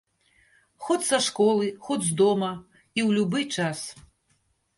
Хоць са школы, хоць з дома, і ў любы час.